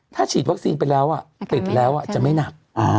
ถ้าฉีดวัคซีนไปแล้วติดแล้วจะไม่หนัก